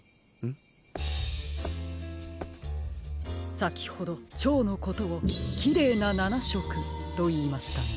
さきほどチョウのことを「きれいな７しょく」といいましたね。